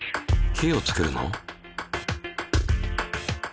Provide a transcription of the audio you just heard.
火をつけるの？